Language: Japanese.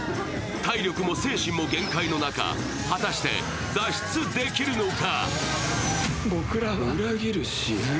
体力も精神も限界な中、果たして脱出できるのか。